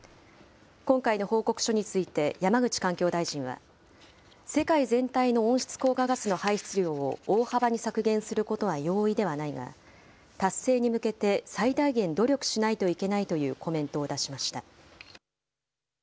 今回の報告書について山口環境大臣は世界全体の温室効果ガスの排出量を大幅に削減することは容易ではないが達成に向けて最大限努力しないといけないというコメントを出しました。